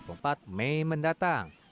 tanggal dua puluh empat mei mendatang